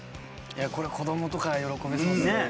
これ子どもとか喜びそうですね